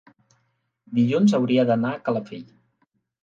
dilluns hauria d'anar a Calafell.